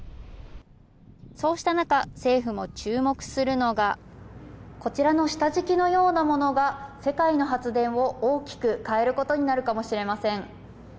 そうした中、政府も注目するのが、こちらの下敷きのようなものが世界の発電を大きく変えることになるかもしれません。